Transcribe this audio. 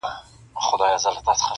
او يوازي ټوکي پرې کوي-